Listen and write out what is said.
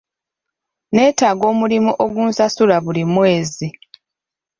Neetaaga omulimu ogunsasula buli mwezi.